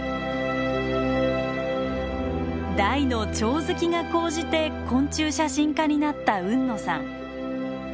大のチョウ好きが高じて昆虫写真家になった海野さん。